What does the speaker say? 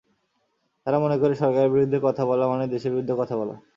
তারা মনে করে, সরকারের বিরুদ্ধে কথা বলা মানে দেশের বিরুদ্ধে কথা বলা।